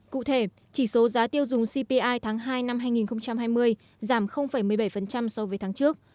cụ thể chỉ số giá tiêu dùng cpi tháng hai năm hai nghìn hai mươi giảm một mươi bảy so với tháng trước